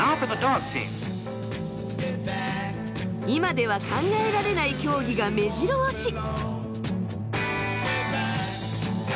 今では考えられない競技がめじろ押し！